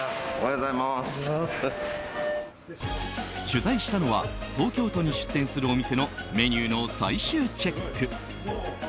取材したのは東京都に出店するお店のメニューの最終チェック。